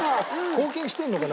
貢献してるのかな？